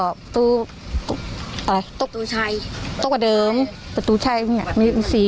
ประตูอะไรประตูชัยตรงกว่าเดิมประตูชัยเนี้ยมีมีสี่